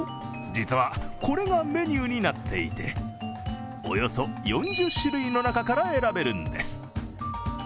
実はこれがメニューになっていておよそ４０種類の中から選べるんです。